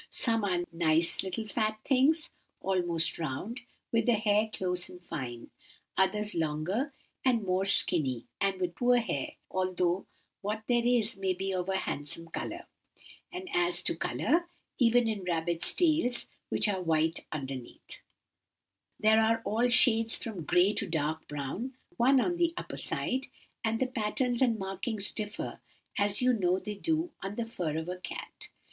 Some are nice little fat things—almost round, with the hair close and fine; others longer and more skinny, and with poor hair, although what there is may be of a handsome colour. And as to colour, even in rabbits' tails, which are white underneath, there are all shades from grey to dark brown one the upper side; and the patterns and markings differ, as you know they do on the fur of a cat.